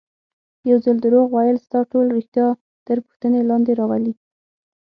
یو ځل دروغ ویل ستا ټول ریښتیا تر پوښتنې لاندې راولي.